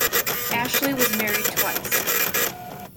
Ashley was married twice.